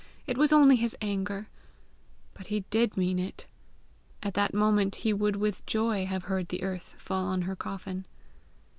It was only his anger! But he did mean it; at that moment he would with joy have heard the earth fall on her coffin.